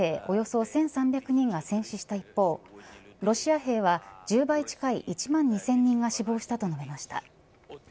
およそ１３００人が戦死した一方ロシア兵は１０倍近い１万２０００人が死亡したと述べました。